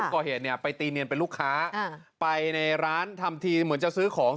ก่อเหตุเนี่ยไปตีเนียนเป็นลูกค้าไปในร้านทำทีเหมือนจะซื้อของ